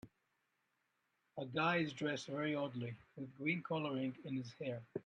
A guy is dressed very oddly, with green coloring in his hair.